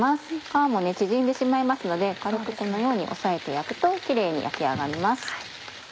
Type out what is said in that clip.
皮も縮んでしまいますので軽くこのように押さえて焼くとキレイに焼き上がります。